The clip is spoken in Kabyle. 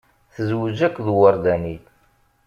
Tezwej akked uwerdani.